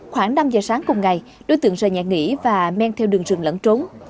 khoảng năm giờ sáng cùng ngày đối tượng rời nhà nghỉ và men theo đường rừng lẫn trốn